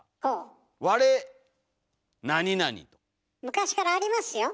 昔からありますよ。